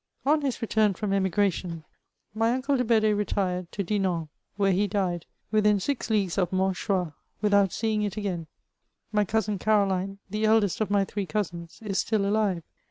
On his return from emigration, my uncle de Bedee retired to Dinan, where he died, within six leagues of Montchoix, without seeing it again. My cousin Caroline, the eldest of my three cousins, is still alive.